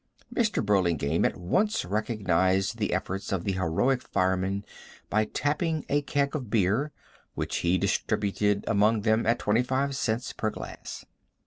Mr. Burlingame at once recognized the efforts of the heroic firemen by tapping a keg of beer, which he distributed among them at 25 cents per glass.